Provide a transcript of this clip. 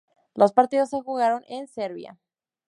Los partidos se jugaron en Serbia.